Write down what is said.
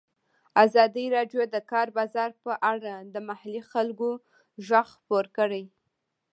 ازادي راډیو د د کار بازار په اړه د محلي خلکو غږ خپور کړی.